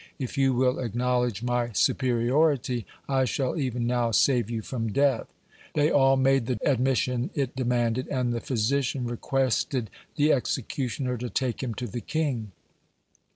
If you will acknowledge my superiority, I shall even now save you from death." They all made the admission it demanded, and the physician requested the executioner to take him to the king.